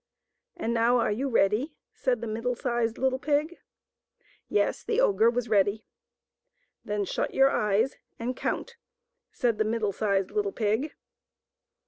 " And now are you ready ?" said the middle sized little pig. Yes ; the ogre was ready. " Then shut your eyes and count," said the middle sized little pig.